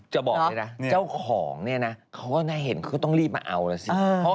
จะบอกเลยนะเจ้าของเนี่ยนะเขาก็น่าเห็นก็ต้องรีบมาเอาแล้วสิ